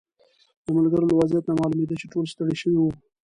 د ملګرو له وضعیت نه معلومېده چې ټول ستړي شوي وو.